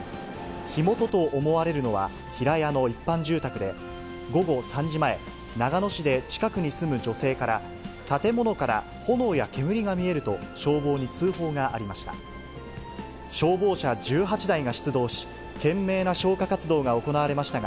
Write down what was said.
火元と思われるのは平屋の一般住宅で、午後３時前、長野市で近くに住む女性から、建物から炎や煙が見えると、消防に通報がありました。